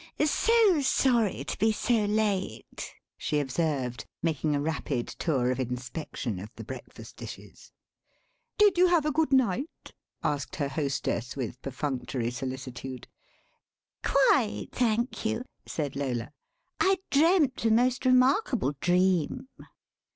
"So sorry to be so late," she observed, making a rapid tour of inspection of the breakfast dishes. "Did you have a good night?" asked her hostess with perfunctory solicitude. "Quite, thank you," said Lola; "I dreamt a most remarkable dream."